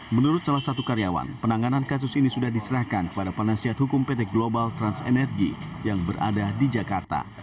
menurut salah satu karyawan penanganan kasus ini sudah diserahkan kepada penasihat hukum pt global trans energy yang berada di jakarta